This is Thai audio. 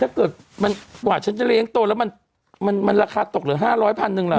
ถ้าเกิดมันหวัดฉันจะเลี้ยงโตแล้วมันมันมันราคาตกเหลือห้าร้อยพันหนึ่งแล้ว